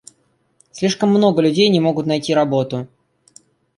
Слишком много людей не могут найти работу.